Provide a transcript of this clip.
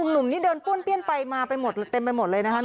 หนุ่มนี่เดินป้วนเปี้ยนไปมาไปหมดเต็มไปหมดเลยนะคะ